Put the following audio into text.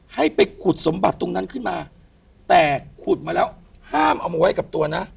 ให้ไปขุดสมบัติตรงนั้นขึ้นมาแต่ขุดมาแล้วห้ามเอามาไว้กับตัวนะ